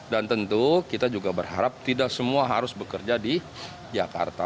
dan tentu kita juga berharap tidak semua harus bekerja di jakarta